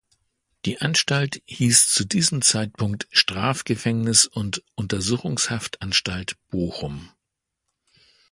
Die Anstalt hieß zu diesem Zeitpunkt "Strafgefängnis und Untersuchungshaftanstalt Bochum".